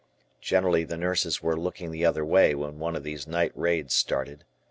Generally the nurses were looking the other way when one of these night raids started.